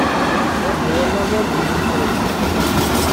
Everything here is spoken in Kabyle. Ṛǧu a laẓ, ar ad yeww lexṛif!